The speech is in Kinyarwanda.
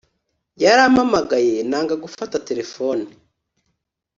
Yaramamagaye nanga gufata telephone